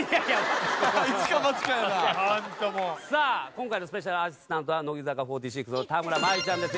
さあ今回のスペシャルアシスタントは乃木坂４６の田村真佑ちゃんです。